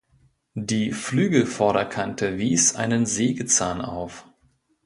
Die Flügelvorderkante wies einen Sägezahn auf.